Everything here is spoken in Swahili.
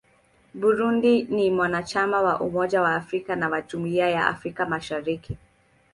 Burundi ni mwanachama wa Umoja wa Afrika na wa Jumuiya ya Afrika Mashariki.